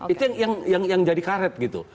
itu yang jadi karet gitu